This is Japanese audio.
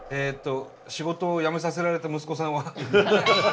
仕事を辞めさせられた息子さんは？